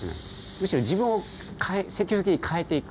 むしろ自分を積極的に変えていく。